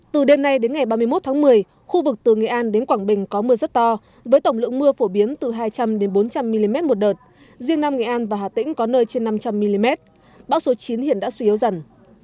từ đêm nay đến ngày ba mươi một tháng một mươi khu vực từ nghệ an đến quảng bình có mưa rất to với tổng lượng mưa phổ biến từ hai trăm linh bốn trăm linh mm một đợt riêng nam nghệ an và hà tĩnh có nơi trên năm trăm linh mm bão số chín hiện đã suy yếu dần